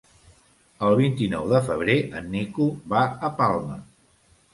El vint-i-nou de febrer en Nico va a Palma.